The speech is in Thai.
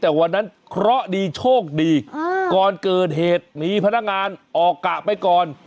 แต่วันนั้นเคราะห์ดีโชคดีก่อนเกิดเหตุมีพนักงานออกกะไปก่อน